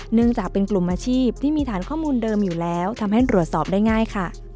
เนื่องจากเป็นกลุ่มอาชีพที่มีฐานข้อมูลเดิมอยู่แล้วทำให้ตรวจสอบได้ง่ายค่ะ